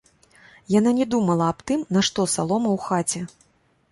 Яна не думала аб тым, нашто салома ў хаце.